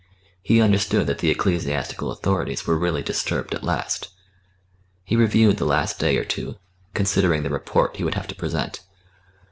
He understood that the ecclesiastical authorities were really disturbed at last. He reviewed the last day or two, considering the report he would have to present.